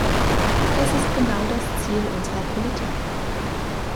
Das ist genau das Ziel unserer Politik.